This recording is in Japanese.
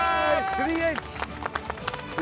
３Ｈ！